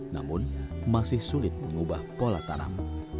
namun masih sulit mengubah pola tanam